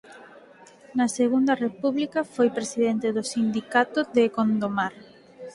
Na Segunda República foi presidente do Sindicato de Gondomar.